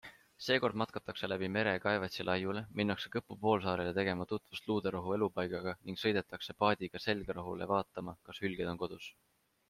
Seekord matkatakse läbi mere Kaevatsi laiule, minnakse Kõpu poolsaarele tegema tutvust luuderohu elupaigaga ning sõidetakse paadiga Selgrahule vaatama, kas hülged on kodus.